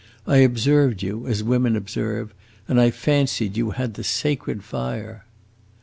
I observed you, as women observe, and I fancied you had the sacred fire."